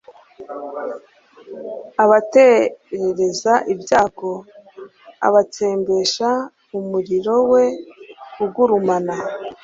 abaterereza ibyago, abatsembesha umuriro we ugurumana